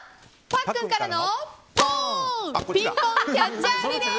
パックンからの？